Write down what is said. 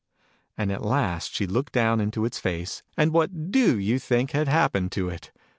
And at last she looked down into its face, and what do you think had happened to it